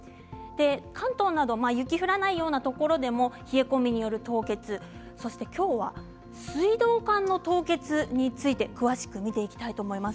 関東など雪が降らないようなところでも冷え込みによる凍結そして今日は水道管の凍結について詳しく見ていきたいと思います。